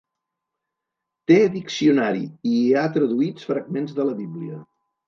Té diccionari i hi ha traduïts fragments de la bíblia.